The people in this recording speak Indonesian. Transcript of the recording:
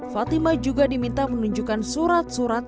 fatima juga diminta menunjukkan surat surat